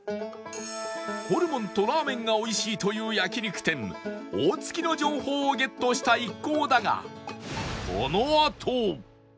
ホルモンとラーメンがおいしいという焼肉店オオツキの情報をゲットした一行だが